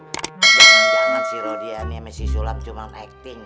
jangan jangan si rodie nih sama si sulam cuma acting